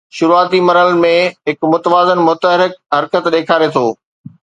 شروعاتي مرحلن ۾ هڪ متوازن متحرڪ حرڪت ڏيکاري ٿو